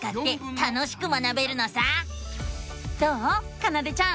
かなでちゃん。